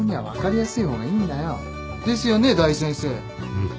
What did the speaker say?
うん。